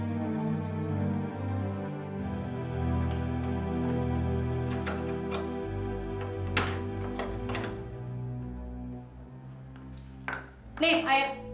tapi gini dia eh